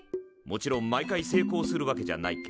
もちろん毎回成功するわけじゃないけど。